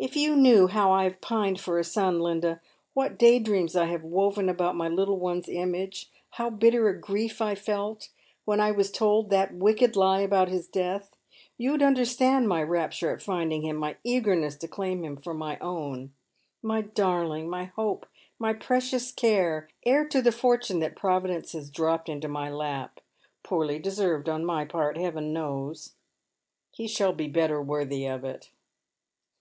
" If you knew how I have pined for a son, Linda — what day dreams I have woven about my little one's image — how bitter a grief I felt when I was told that wicked lie about his death — you would understand my rapture at finding him, my eagerness to claim him for my own — my darling, my hope, my precious care, heir to the fortune that Providence has dropped into my lap — poorly deserved on my part Heaven knows. He shall be better worthy of it."